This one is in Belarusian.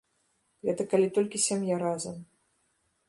Гэта калі толькі сям'я разам.